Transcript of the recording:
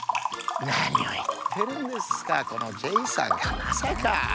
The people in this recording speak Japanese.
なにをいってるんですかこのジェイさんがまさか。